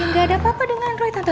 iya gak ada apa apa dengan roy tante